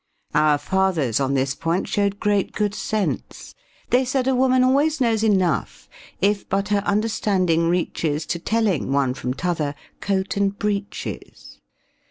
Our fathers, on this point, showed great good sense; They said a woman always knows enough If but her understanding reaches To telling, one from t'other, coat and breeches.